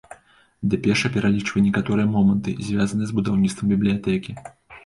Дэпеша пералічвае некаторыя моманты, звязаныя з будаўніцтвам бібліятэкі.